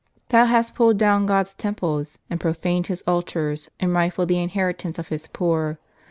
Thou hast pulled down God's temples, and profaned His altars, and rifled the inheritance of His poor.